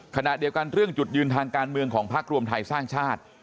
ขณะเดียวกันเรื่องจุดยืนทางการเมืองของพักรวมไทยสร้างชาติ